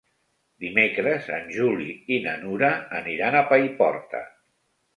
Dimecres en Juli i na Nura aniran a Paiporta.